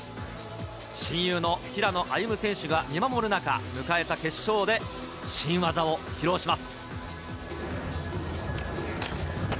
親友の平野歩夢選手が見守る中、迎えた決勝で新技を披露します。